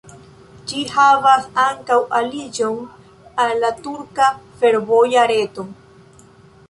Ĝi havas ankaŭ aliĝon al la turka fervoja reto.